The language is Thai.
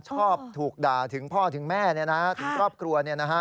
ชอบถูกด่าถึงพ่อถึงแม่ถึงครอบครัว